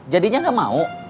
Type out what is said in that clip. jadinya gak mau